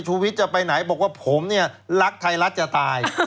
วิทย์จะไปไหนบอกว่าผมเนี่ยรักไทยรัฐจะตาย